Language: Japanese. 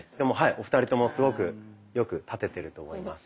お二人ともすごくよく立ててると思います。